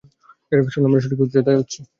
শোনো, আমরা সঠিক উচ্চতায় উড়ছি।